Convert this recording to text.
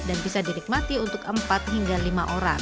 dan bisa dinikmati untuk empat hingga lima orang